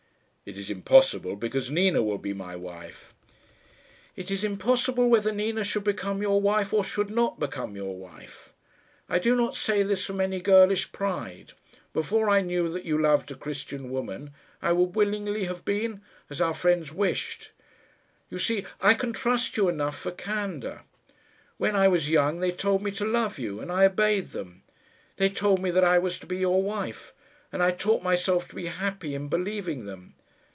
"It is impossible because Nina will be my wife." "It is impossible, whether Nina should become your wife or should not become your wife. I do not say this from any girlish pride. Before I knew that you loved a Christian woman, I would willingly have been as our friends wished. You see I can trust you enough for candour. When I was young they told me to love you, and I obeyed them. They told me that I was to be your wife, and I taught myself to be happy in believing them.